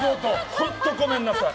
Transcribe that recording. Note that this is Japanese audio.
本当にごめんなさい！